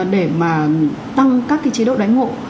để mà tăng các chế độ đại ngộ